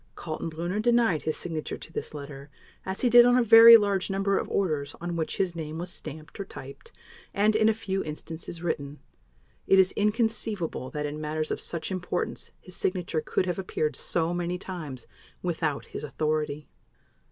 Kaltenbrunner denied his signature to this letter, as he did on a very large number of orders on which his name was stamped or typed, and, in a few instances, written. It is inconceivable that in matters of such importance his signature could have appeared so many times without his authority.